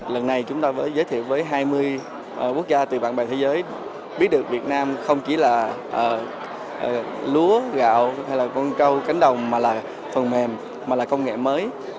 lần này chúng ta phải giới thiệu với hai mươi quốc gia từ bạn bè thế giới biết được việt nam không chỉ là lúa gạo hay là con trâu cánh đồng mà là phần mềm mà là công nghệ mới